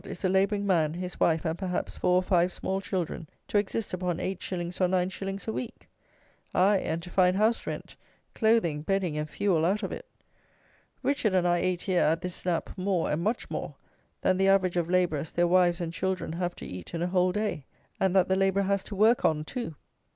is a labouring man, his wife, and, perhaps, four or five small children, to exist upon 8_s._ or 9_s._ a week! Aye, and to find house rent, clothing, bedding and fuel out of it? Richard and I ate here, at this snap, more, and much more, than the average of labourers, their wives and children, have to eat in a whole day, and that the labourer has to work on too!